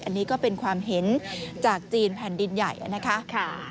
อันนี้ก็เป็นความเห็นจากจีนแผ่นดินใหญ่นะคะ